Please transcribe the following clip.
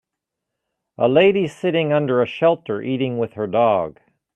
a lady sitting under a shelter, eating with her dog.